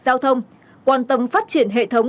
giao thông quan tâm phát triển hệ thống